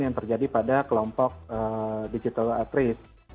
yang terjadi pada kelompok digital at race